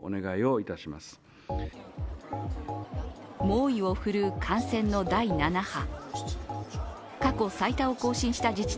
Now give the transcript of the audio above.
猛威を振るう感染の第７波。